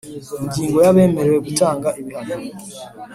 Ingingo ya Abemerewe gutanga ibihano